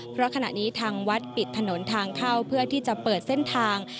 เพราะขณะนี้ทางวัดปิดถนนทางเข้าเพื่อที่จะเปิดเส้นทาง